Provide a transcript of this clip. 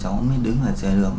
cháu mới đứng ở trời lượng